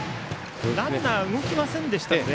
ランナー動きませんでしたよね。